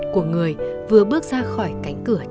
của người vừa bước ra khỏi cánh cửa trường